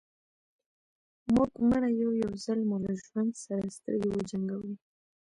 موږ مړه يو يو ځل مو له ژوند سره سترګې وجنګوئ.